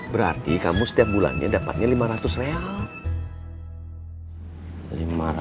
berarti kamu setiap bulannya dapatnya lima ratus lelang